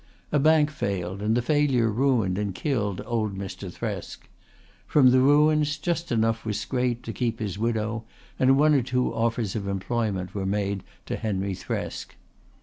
A bank failed and the failure ruined and killed old Mr. Thresk. From the ruins just enough was scraped to keep his widow, and one or two offers of employment were made to Henry Thresk.